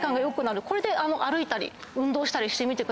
これで歩いたり運動したりしてみてください。